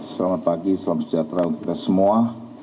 selamat pagi salam sejahtera untuk kita semua